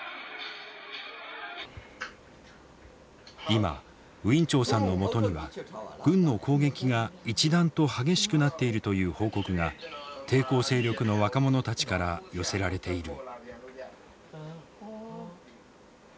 今ウィン・チョウさんのもとには軍の攻撃が一段と激しくなっているという報告が抵抗勢力の若者たちから寄せられている。